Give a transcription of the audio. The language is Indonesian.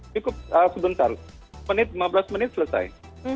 cukup sebentar menit lima belas menit selesai